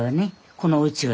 このうちは。